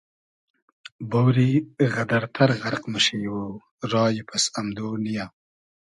بۉری غئدئر تئر غئرق موشی و رایی پئس امدۉ نییۂ